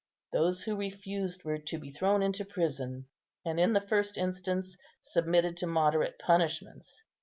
Those who refused were to be thrown into prison, and in the first instance submitted to moderate punishments.